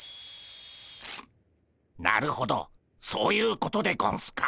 なるほどそういうことでゴンスか。